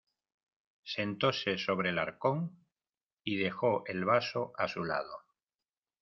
sentóse sobre el arcón, y dejó el vaso a su lado: